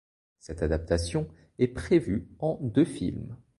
Cette adaptation est prévue en deux films.